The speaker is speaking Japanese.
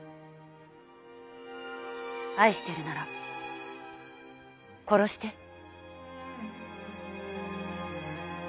愛してるなら殺して。